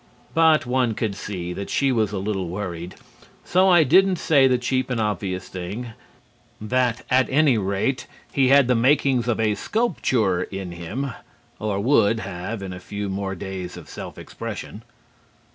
But one could see that she was a little worried, so I didn't say the cheap and obvious thing, that at any rate he had the makings of a sculpture in him or would have in a few more days of self expression.